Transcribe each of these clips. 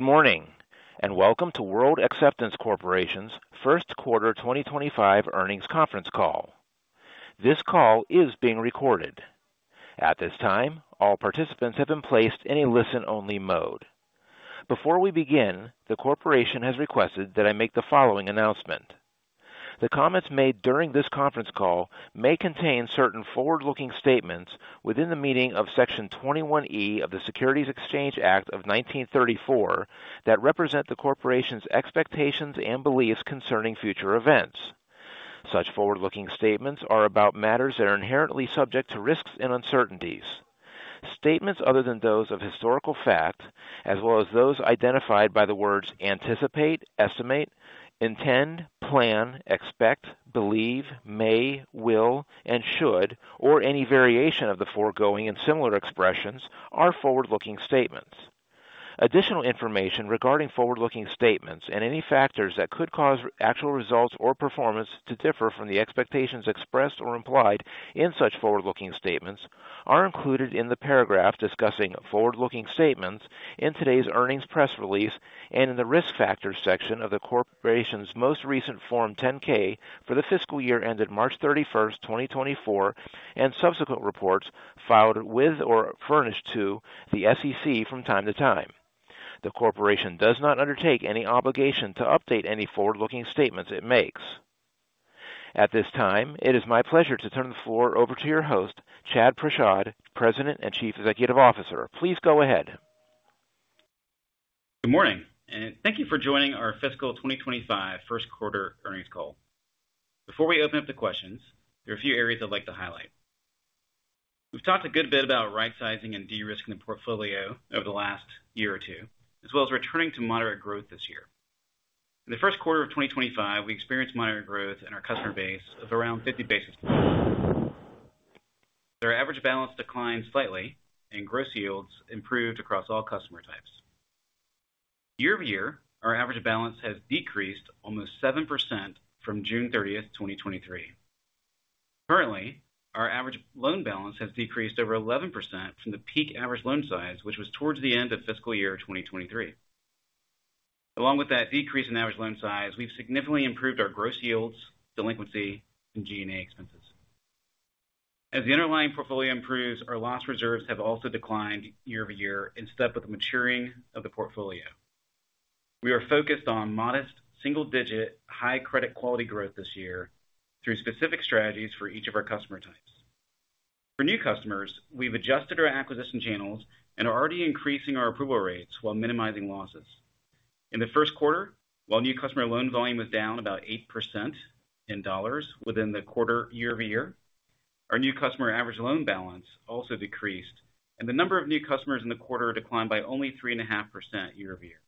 Good morning, and welcome to World Acceptance Corporation's first quarter 2025 earnings conference call. This call is being recorded. At this time, all participants have been placed in a listen-only mode. Before we begin, the corporation has requested that I make the following announcement. The comments made during this conference call may contain certain forward-looking statements within the meaning of Section 21E of the Securities Exchange Act of 1934 that represent the corporation's expectations and beliefs concerning future events. Such forward-looking statements are about matters that are inherently subject to risks and uncertainties. Statements other than those of historical fact, as well as those identified by the words anticipate, estimate, intend, plan, expect, believe, may, will, and should, or any variation of the foregoing and similar expressions, are forward-looking statements. Additional information regarding forward-looking statements and any factors that could cause actual results or performance to differ from the expectations expressed or implied in such forward-looking statements are included in the paragraph discussing forward-looking statements in today's earnings press release and in the Risk Factors section of the corporation's most recent Form 10-K for the fiscal year ended March 31, 2024, and subsequent reports filed with or furnished to the SEC from time to time. The corporation does not undertake any obligation to update any forward-looking statements it makes. At this time, it is my pleasure to turn the floor over to your host, Chad Prashad, President and Chief Executive Officer. Please go ahead. Good morning, and thank you for joining our fiscal 2025 first quarter earnings call. Before we open up the questions, there are a few areas I'd like to highlight. We've talked a good bit about rightsizing and de-risking the portfolio over the last year or two, as well as returning to moderate growth this year. In the first quarter of 2025, we experienced moderate growth in our customer base of around 50 basis points. Their average balance declined slightly, and gross yields improved across all customer types. Year-over-year, our average balance has decreased almost 7% from June 30th, 2023. Currently, our average loan balance has decreased over 11% from the peak average loan size, which was towards the end of fiscal year 2023. Along with that decrease in average loan size, we've significantly improved our gross yields, delinquency, and G&A expenses. As the underlying portfolio improves, our loss reserves have also declined year-over-year in step with the maturing of the portfolio. We are focused on modest, single-digit, high credit quality growth this year through specific strategies for each of our customer types. For new customers, we've adjusted our acquisition channels and are already increasing our approval rates while minimizing losses. In the first quarter, while new customer loan volume was down about 8% in dollars within the quarter year-over-year, our new customer average loan balance also decreased, and the number of new customers in the quarter declined by only 3.5% year-over-year.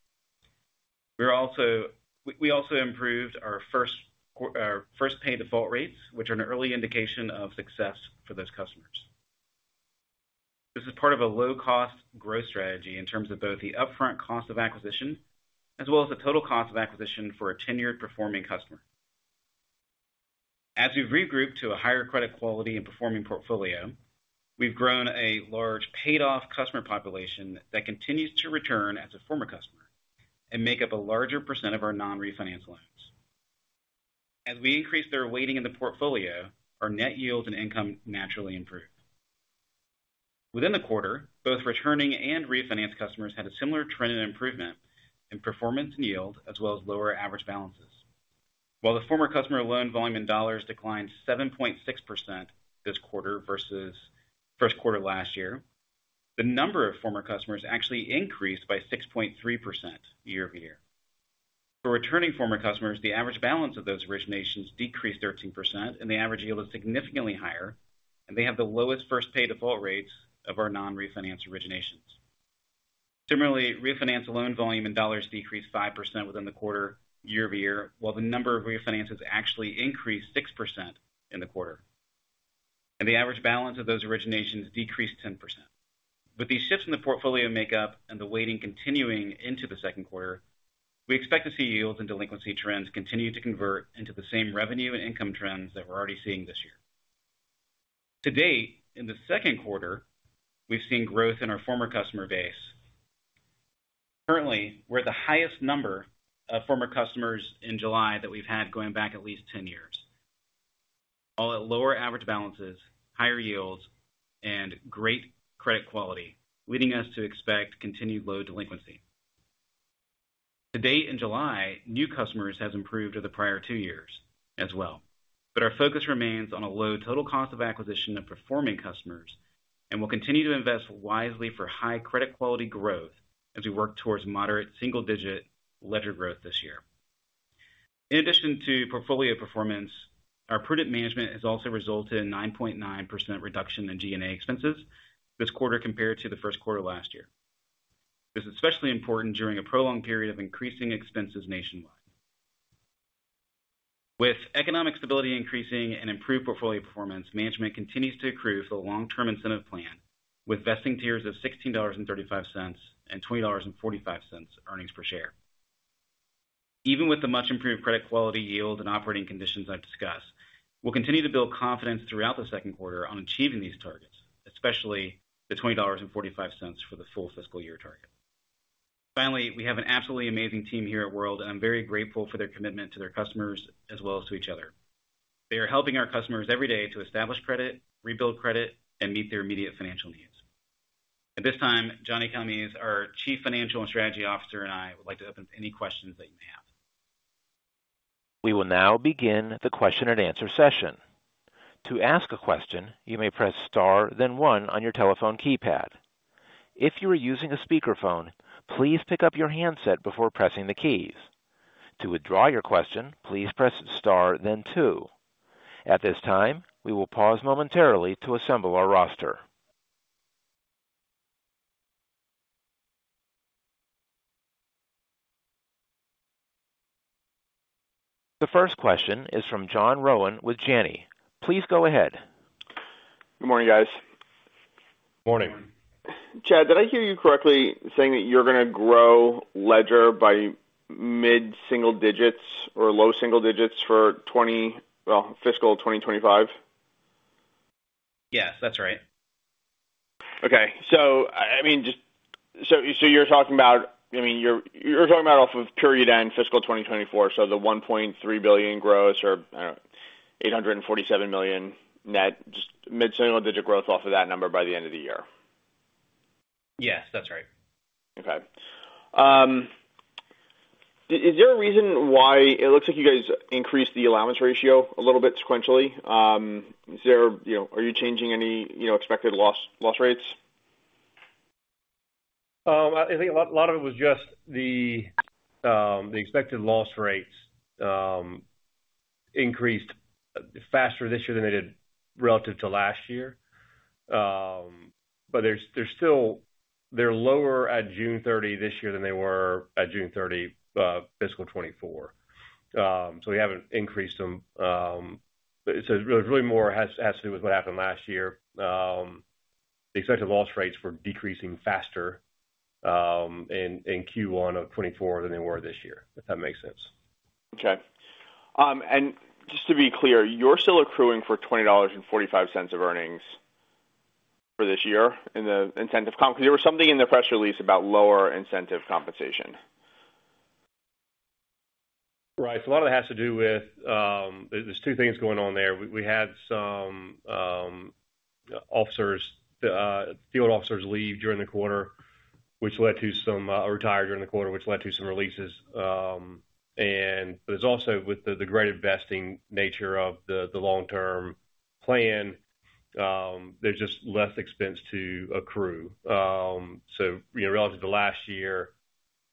We also improved our first pay default rates, which are an early indication of success for those customers. This is part of a low-cost growth strategy in terms of both the upfront cost of acquisition, as well as the total cost of acquisition for a tenured performing customer. As we've regrouped to a higher credit quality and performing portfolio, we've grown a large paid-off customer population that continues to return as a former customer and make up a larger percent of our non-refinance loans. As we increase their weighting in the portfolio, our net yield and income naturally improve. Within the quarter, both returning and refinance customers had a similar trend and improvement in performance and yield, as well as lower average balances. While the former customer loan volume in dollars declined 7.6% this quarter versus first quarter last year, the number of former customers actually increased by 6.3% year-over-year. For returning former customers, the average balance of those originations decreased 13%, and the average yield is significantly higher, and they have the lowest first pay default rates of our non-refinance originations. Similarly, refinance loan volume in dollars decreased 5% within the quarter year-over-year, while the number of refinances actually increased 6% in the quarter, and the average balance of those originations decreased 10%. With these shifts in the portfolio makeup and the weighting continuing into the second quarter, we expect to see yields and delinquency trends continue to convert into the same revenue and income trends that we're already seeing this year. To date, in the second quarter, we've seen growth in our former customer base. Currently, we're the highest number of former customers in July that we've had going back at least 10 years. All at lower average balances, higher yields, and great credit quality, leading us to expect continued low delinquency. To date, in July, new customers has improved over the prior two years as well. But our focus remains on a low total cost of acquisition of performing customers, and we'll continue to invest wisely for high credit quality growth as we work towards moderate single-digit ledger growth this year. In addition to portfolio performance, our prudent management has also resulted in 9.9% reduction in G&A expenses this quarter compared to the first quarter last year. This is especially important during a prolonged period of increasing expenses nationwide. With economic stability increasing and improved portfolio performance, management continues to accrue for the long-term incentive plan, with vesting tiers of $16.35 and $20.45 earnings per share.... Even with the much improved credit quality yield and operating conditions I've discussed, we'll continue to build confidence throughout the second quarter on achieving these targets, especially the $20.45 for the full fiscal year target. Finally, we have an absolutely amazing team here at World, and I'm very grateful for their commitment to their customers as well as to each other. They are helping our customers every day to establish credit, rebuild credit, and meet their immediate financial needs. At this time, Johnny Calmes, our Chief Financial and Strategy Officer, and I would like to open to any questions that you may have. We will now begin the question and answer session. To ask a question, you may press Star, then one on your telephone keypad. If you are using a speakerphone, please pick up your handset before pressing the keys. To withdraw your question, please press Star, then two. At this time, we will pause momentarily to assemble our roster. The first question is from John Rowan with Janney. Please go ahead. Good morning, guys. Morning. Chad, did I hear you correctly saying that you're going to grow ledger by mid-single digits or low single digits for well, fiscal 2025? Yes, that's right. Okay. So, I mean, just so you're talking about off of period end fiscal 2024, so the $1.3 billion gross or, I don't know, $847 million net, just mid-single-digit growth off of that number by the end of the year? Yes, that's right. Okay. Is there a reason why it looks like you guys increased the allowance ratio a little bit sequentially? Is there, you know, are you changing any, you know, expected loss, loss rates? I think a lot, a lot of it was just the expected loss rates increased faster this year than they did relative to last year. But they're still lower at June 30 this year than they were at June 30, fiscal 2024. So we haven't increased them. So it's really more has to do with what happened last year. The expected loss rates were decreasing faster in Q1 of 2024 than they were this year, if that makes sense. Okay. Just to be clear, you're still accruing for $20.45 of earnings for this year in the incentive comp? Because there was something in the press release about lower incentive compensation. Right. So a lot of it has to do with... There's two things going on there. We had some officers field officers leave during the quarter, which led to some retired during the quarter, which led to some releases. And there's also with the great investing nature of the long-term plan, there's just less expense to accrue. So, you know, relative to last year,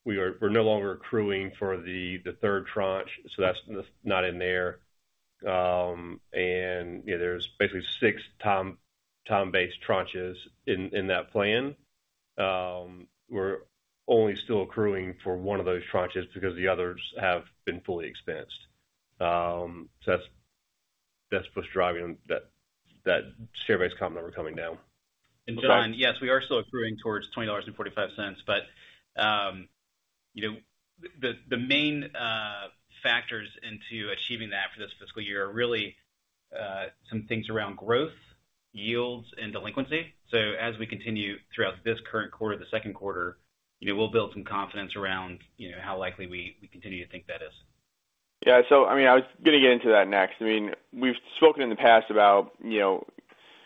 we're no longer accruing for the third tranche, so that's not in there. And, you know, there's basically six time-based tranches in that plan. We're only still accruing for one of those tranches because the others have been fully expensed. So that's what's driving that share base comp number coming down. And, John, yes, we are still accruing towards $20.45, but, you know, the main factors into achieving that for this fiscal year are really some things around growth, yields, and delinquency. So as we continue throughout this current quarter, the second quarter, you know, we'll build some confidence around, you know, how likely we continue to think that is. Yeah. So I mean, I was going to get into that next. I mean, we've spoken in the past about, you know...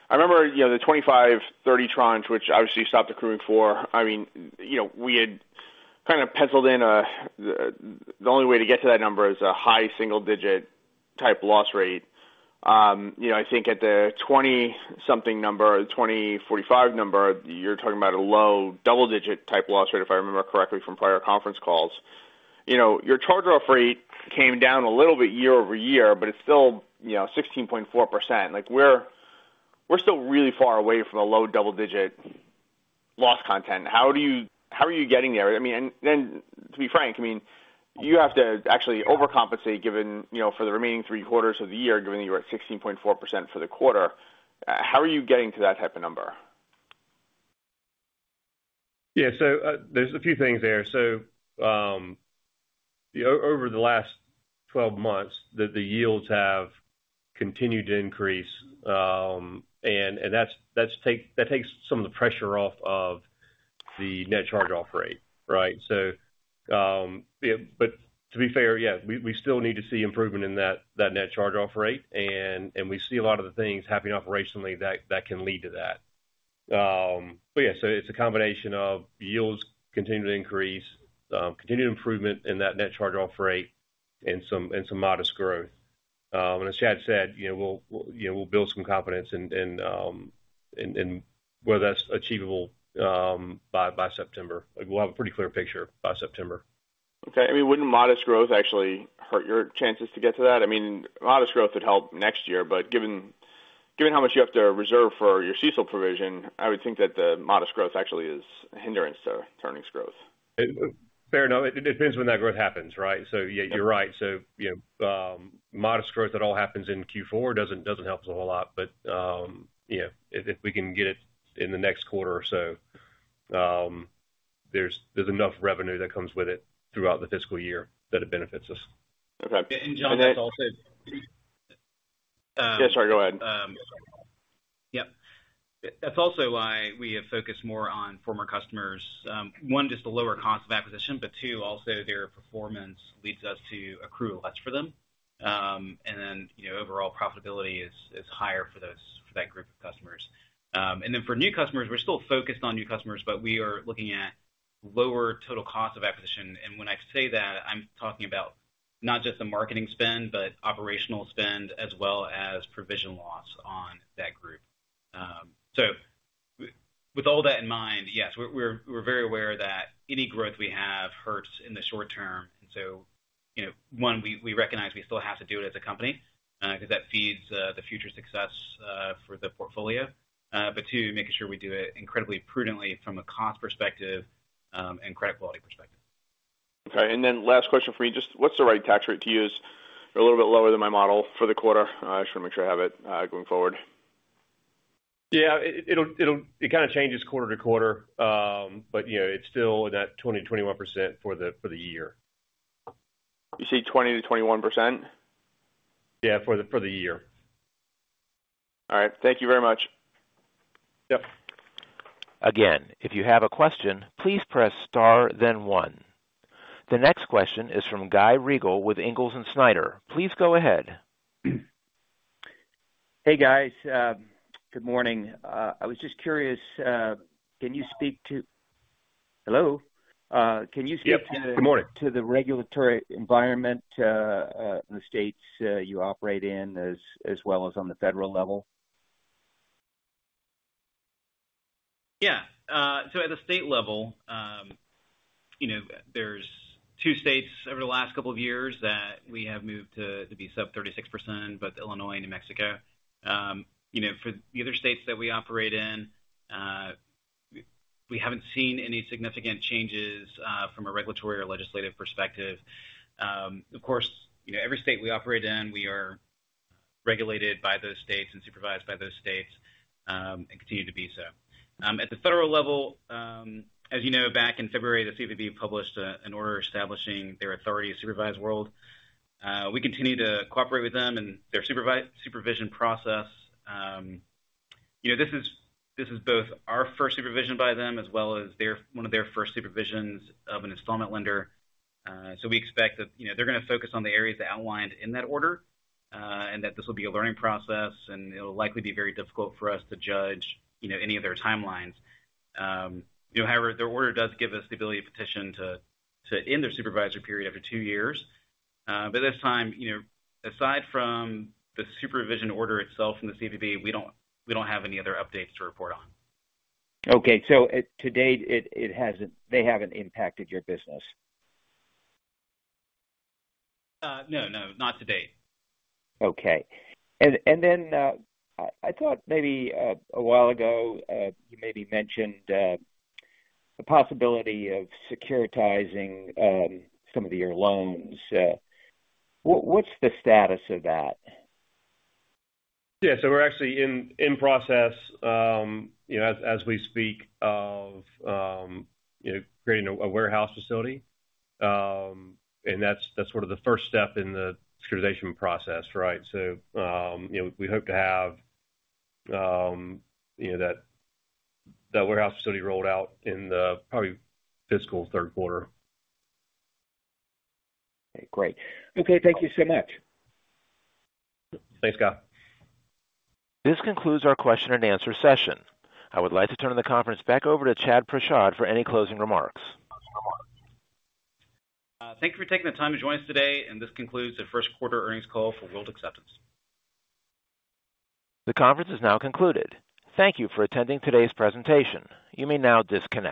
I remember, you know, the $25.30 tranche, which obviously you stopped accruing for. I mean, you know, we had kind of penciled in the, the only way to get to that number is a high single-digit type loss rate. You know, I think at the 20-something number, the 20-45 number, you're talking about a low double-digit type loss rate, if I remember correctly from prior conference calls. You know, your charge-off rate came down a little bit year-over-year, but it's still, you know, 16.4%. Like, we're, we're still really far away from a low double-digit loss content. How do you, how are you getting there? I mean, and then to be frank, I mean, you have to actually overcompensate, given, you know, for the remaining three quarters of the year, given that you are at 16.4% for the quarter. How are you getting to that type of number? Yeah. So, there's a few things there. So, over the last 12 months, the yields have continued to increase, and that's that takes some of the pressure off of the net charge-off rate, right? So, yeah, but to be fair, yeah, we still need to see improvement in that net charge-off rate, and we see a lot of the things happening operationally that can lead to that. But yeah, so it's a combination of yields continuing to increase, continued improvement in that net charge-off rate and some modest growth. And as Chad said, you know, we'll build some confidence in whether that's achievable, by September. We'll have a pretty clear picture by September. Okay. I mean, wouldn't modest growth actually hurt your chances to get to that? I mean, modest growth would help next year, but given how much you have to reserve for your CECL provision, I would think that the modest growth actually is a hindrance to earnings growth. Fair enough. It depends when that growth happens, right? So yeah, you're right. So, you know, modest growth that all happens in Q4 doesn't help us a whole lot, but, you know, if we can get it in the next quarter or so. There's enough revenue that comes with it throughout the fiscal year that it benefits us. Okay. John, that's also- Yeah, sorry, go ahead. Yep. That's also why we have focused more on former customers. One, just the lower cost of acquisition, but two, also their performance leads us to accrue less for them. And then, you know, overall profitability is higher for those, for that group of customers. And then for new customers, we're still focused on new customers, but we are looking at lower total cost of acquisition. And when I say that, I'm talking about not just the marketing spend, but operational spend, as well as provision loss on that group. So, with all that in mind, yes, we're very aware that any growth we have hurts in the short term. So, you know, one, we recognize we still have to do it as a company, because that feeds the future success for the portfolio. But two, making sure we do it incredibly prudently from a cost perspective, and credit quality perspective. Okay, and then last question for you, just what's the right tax rate to use? A little bit lower than my model for the quarter. I just want to make sure I have it, going forward. Yeah, it'll kind of changes quarter to quarter, but you know, it's still in that 20%-21% for the year. You see 20%-21%? Yeah, for the year. All right. Thank you very much. Yep. Again, if you have a question, please press Star, then one. The next question is from Guy Riegel with Ingalls & Snyder. Please go ahead. Hey, guys, good morning. I was just curious, can you speak to... Hello? Can you speak to- Good morning. -to the regulatory environment, in the states you operate in, as well as on the federal level? Yeah. So at the state level, you know, there's two states over the last couple of years that we have moved to, to be sub-36%, both Illinois and New Mexico. You know, for the other states that we operate in, we haven't seen any significant changes, from a regulatory or legislative perspective. Of course, you know, every state we operate in, we are regulated by those states and supervised by those states, and continue to be so. At the federal level, as you know, back in February, the CFPB published an order establishing their authority to supervise World. We continue to cooperate with them and their supervision process. You know, this is both our first supervision by them as well as their one of their first supervisions of an installment lender. So we expect that, you know, they're going to focus on the areas outlined in that order, and that this will be a learning process, and it'll likely be very difficult for us to judge, you know, any of their timelines. You know, however, their order does give us the ability to petition to end their supervisory period after two years. At this time, you know, aside from the supervisory order itself from the CFPB, we don't have any other updates to report on. Okay. So to date, it, it hasn't—they haven't impacted your business? No, no, not to date. Okay. And then, I thought maybe a while ago you maybe mentioned the possibility of securitizing some of your loans. What's the status of that? Yeah, so we're actually in process, you know, as we speak, of creating a warehouse facility. And that's sort of the first step in the securitization process, right? So, you know, we hope to have that warehouse facility rolled out in the probably fiscal third quarter. Great. Okay. Thank you so much. Thanks, Guy. This concludes our question and answer session. I would like to turn the conference back over to Chad Prashad for any closing remarks. Thank you for taking the time to join us today, and this concludes the first quarter earnings call for World Acceptance. The conference is now concluded. Thank you for attending today's presentation. You may now disconnect.